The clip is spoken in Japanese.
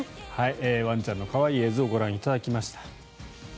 ワンちゃんの可愛い映像をご覧いただきました。